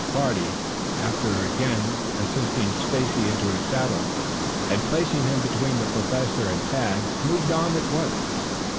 The party, after again assisting Stacy in his saddle and placing him between the Professor and Tad, moved on once more.